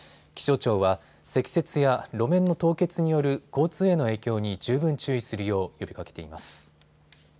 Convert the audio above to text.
気象庁は積雪や路面の凍結による交通への影響に十分注意するよう呼びかけています。